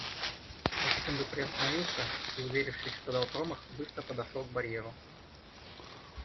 На секунду приостановился и, уверившись, что дал промах, быстро подошел к барьеру.